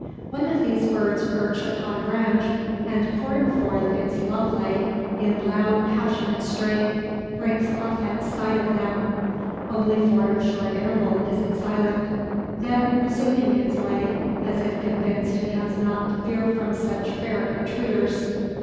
One of these birds perched upon a branch, and pouring forth its love lay in loud passionate strain, breaks off at sight of them. Only for a short interval is it silent; then resuming its lay, as if convinced it has nought to fear from such fair intruders.